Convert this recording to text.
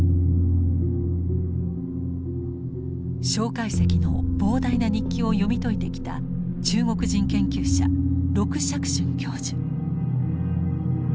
介石の膨大な日記を読み解いてきた中国人研究者鹿錫俊教授。